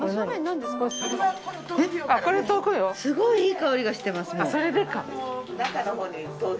すごいいい香りしてます。